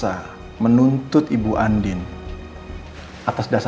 harusnya kita punya hal yang lebih sempurna